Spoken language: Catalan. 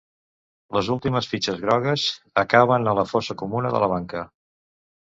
Les últimes fitxes grogues acaben a la fossa comuna de la banca.